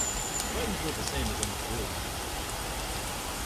Buttons were the same as on the dolman.